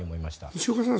西岡さん